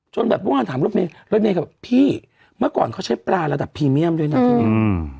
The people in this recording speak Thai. จนแบบพวกมันถามรถเมฆรถเมฆก็แบบพี่เมื่อก่อนเขาใช้ปลาระดับพรีเมี่ยมด้วยนะที่นี่